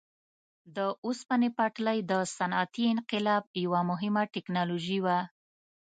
د اوسپنې پټلۍ د صنعتي انقلاب یوه مهمه ټکنالوژي وه.